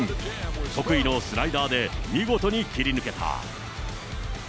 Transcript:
得意のスライダーで見事に切り抜けた。